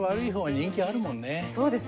そうですね。